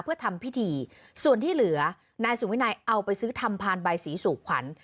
เพื่อทำพิธีส่วนที่เหลือนายสุวินัยเอาไปซื้อทำพานใบสีสู่ขวัญ